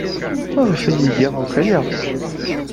Maɣef ay iga akk aya?